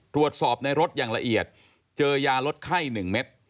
ตรวจสอบในรถอย่างละเอียดเจอยาลดไข้๑เม็ด